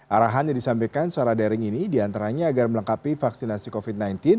arahan yang disampaikan secara daring ini diantaranya agar melengkapi vaksinasi covid sembilan belas